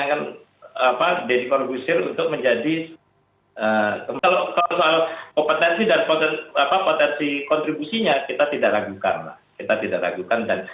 kalau soal kompetensi dan potensi kontribusinya kita tidak ragukan